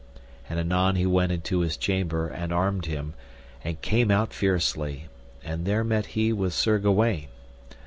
And anon he went into his chamber and armed him, and came out fiercely, and there met he with Sir Gawaine.